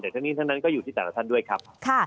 แต่ทั้งนี้ทั้งนั้นก็อยู่ที่แต่ละท่านด้วยครับ